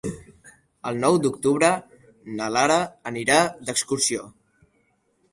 El nou d'octubre na Lara anirà d'excursió.